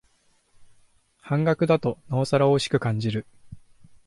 半額だとなおさらおいしく感じる